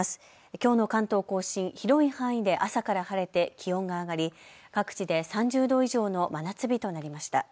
きょうの関東甲信、広い範囲で朝から晴れて気温が上がり各地で３０度以上の真夏日となりました。